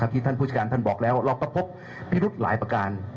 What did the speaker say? ที่ท่านผู้จัดการท่านบอกแล้วเราก็พบพิรุธหลายประการ